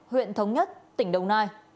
huyện thống nhất tỉnh đồng nai